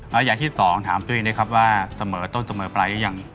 แล้วอย่างที่สองถามตัวเองนะครับว่าเสมอต้นเสมอไปหรือยัง